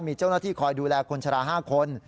มีเจ้าหน้าที่คอยดูแลคนชะลา๕คน